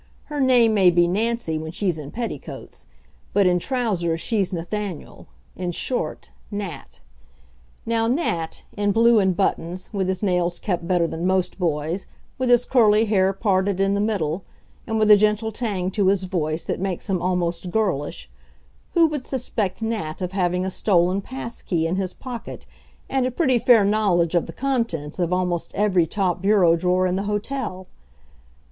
Her name may be Nancy when she's in petticoats, but in trousers she's Nathaniel in short, Nat. Now, Nat, in blue and buttons, with his nails kept better than most boys', with his curly hair parted in the middle, and with a gentle tang to his voice that makes him almost girlish who would suspect Nat of having a stolen pass key in his pocket and a pretty fair knowledge of the contents of almost every top bureau drawer in the hotel?